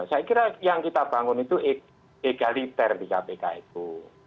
saya kira yang kita bangun itu egaliter di kpk itu